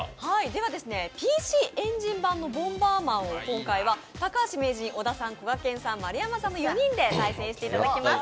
ではＰＣエンジン版の「ボンバーマン」を今回は高橋名人、小田さん、こがけんさん、丸山さんの４人で対戦していただきます。